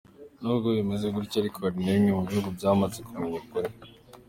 N’ubwo bimeze gutyo ariko hari na bimwe mu bihugu byamaze kumenya ukuri.